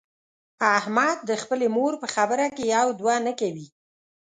احمد د خپلې مور په خبره کې یو دوه نه کوي.